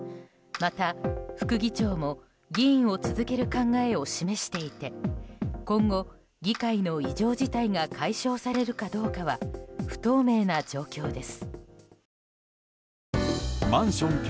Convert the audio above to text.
また副議長も議員を続ける考えを示していて今後、議会の異常事態が解消されるかどうかは不透明な状況です。